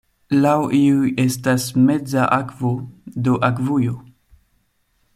Laŭ iuj estas "meza akvo", do akvujo.